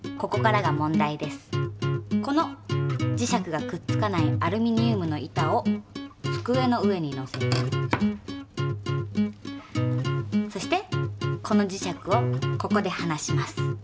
この磁石がくっつかないアルミニウムの板をつくえの上にのせてそしてこの磁石をここではなします。